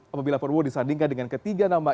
apabila prabowo disandingkan dengan ketiga